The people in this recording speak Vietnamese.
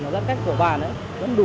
giá cách của bàn vẫn đủ